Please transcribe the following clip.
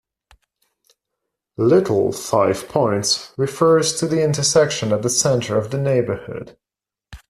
"Little" Five Points refers to the intersection at the center of the neighborhood.